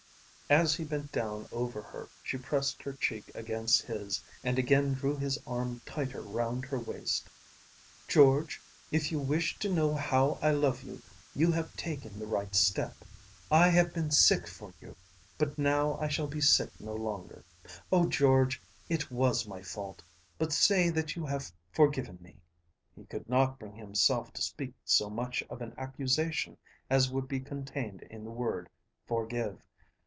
As he bent down over her she pressed her cheek against his and again drew his arm tighter round her waist. "George, if you wished to know how I love you, you have taken the right step. I have been sick for you, but now I shall be sick no longer. Oh, George, it was my fault; but say that you have forgiven me." He could not bring himself to speak so much of an accusation as would be contained in that word "forgive."